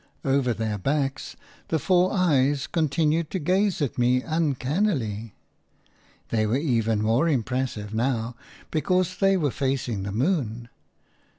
Over their backs the four eyes continued to gaze at me uncannily. They were even more impressive now, because they were facing the moon.